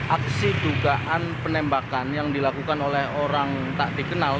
aksi dugaan penembakan yang dilakukan oleh orang tak dikenal